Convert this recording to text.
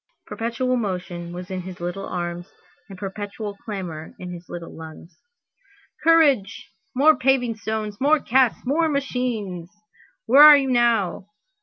Perpetual motion was in his little arms and perpetual clamor in his little lungs. "Courage! more paving stones! more casks! more machines! Where are you now?